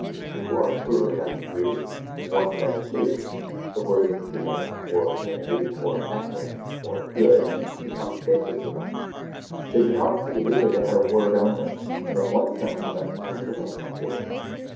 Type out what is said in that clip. Two are truer than three, one than two. The words 'being,' or 'unity,' or essence,' or 'good,' became sacred to them. They did not see that they had a word only, and in one sense the most unmeaning of words.